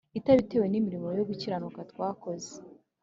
itabitewe n'imirimo yo gukiranuka twakoze,